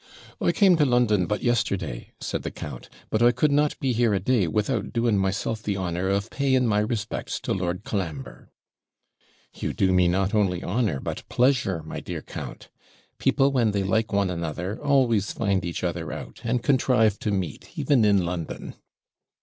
'I came to London but yesterday,' said the count; 'but I could not be here a day, without doing myself the honour of paying my respects to Lord Colambre.' 'You do me not only honour, but pleasure, my dear count. People when they like one another, always find each other out, and contrive to meet even in London.'